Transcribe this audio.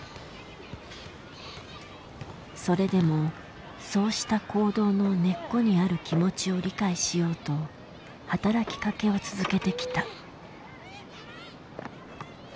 それでもそうした行動の根っこにある気持ちを理解しようと働きかけを続けてきた。